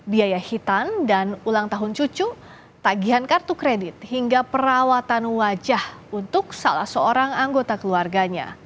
biaya hitam dan ulang tahun cucu tagihan kartu kredit hingga perawatan wajah untuk salah seorang anggota keluarganya